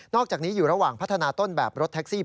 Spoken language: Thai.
อกจากนี้อยู่ระหว่างพัฒนาต้นแบบรถแท็กซี่